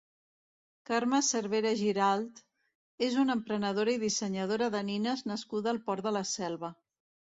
Carme Cervera Giralt és una emprenedora i dissenyadora de nines nascuda al Port de la Selva.